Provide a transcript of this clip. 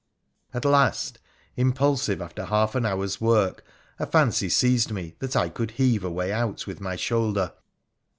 At last, impulsive, after half an hour's work, a fancy seized me that I could heave a way out with my shoulder.